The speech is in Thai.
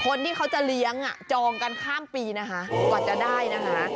คนที่เขาจะเลี้ยงจองกันข้ามปีนะคะกว่าจะได้นะคะ